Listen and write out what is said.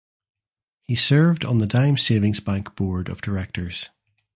He served on the Dime Savings Bank board of directors.